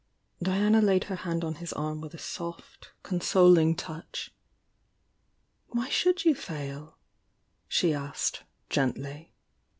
Uiana laid her hand on his arm with a .soft eon soling touch. "Why should you fail?" she asked, gently.